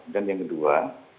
dan yang kedua